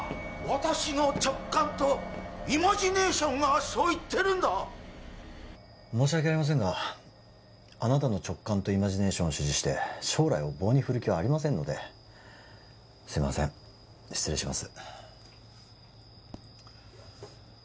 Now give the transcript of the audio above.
私の直感とイマジネーションがそう言ってるんだ申し訳ありませんがあなたの直感とイマジネーションを支持して将来を棒に振る気はありませんのですいません失礼します